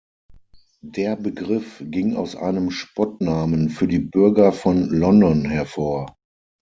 Der Begriff ging aus einem Spottnamen für die Bürger von London hervor.